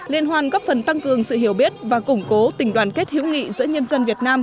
liên hoan góp phần tăng cường sự hiểu biết và củng cố tình đoàn kết hữu nghị giữa nhân dân việt nam